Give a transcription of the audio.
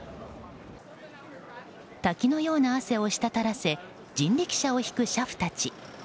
滝のような汗を滴らせ人力車を引く車夫たち。